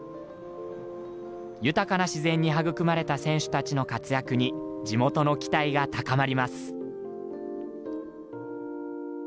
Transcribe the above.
豊かな自然に育まれた選手たちの活躍に、地元の期待が高まります。